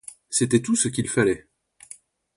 C'était tout ce qu'il fallait.